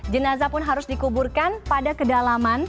jenazah pun harus dikuburkan pada kedalaman